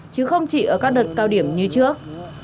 chứ không chỉ ở các đợt cao điểm như trước